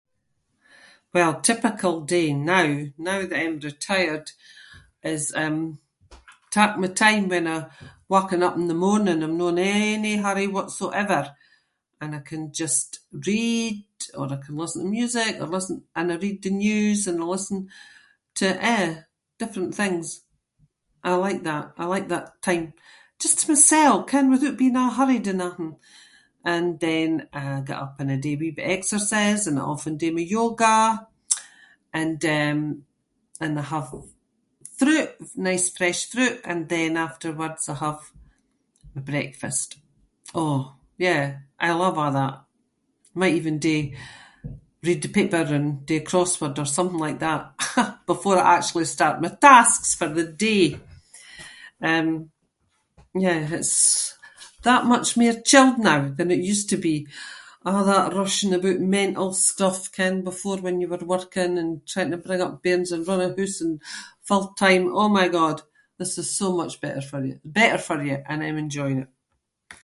Well, a typical day now, now that I’m retired is, um, taking my time when I waken up in the morning. I’m no in any hurry whatsoever, and I can just read or I can listen to music or listen- and I read the news and I listen to, eh, different things. I like that. I like that time just to mysel, ken, and withoot being a’ hurried and athing. And then I get up and I do a wee bit of exercise and I often do my yoga, and um, and I have fruit- nice fresh fruit and then afterwards I have my breakfast. Oh, yeah, I love a’ that. Might even do- read the paper and do a crossword or something like that before I actually start my tasks for the day. Um, yeah, it’s that much mair chilled now than it used to be- a’ that rushing aboot, mental stuff, ken, before when you were working and trying to bring up bairns and run a hoose and full-time- oh my god. This is so much better for you- better for you and I’m enjoying it.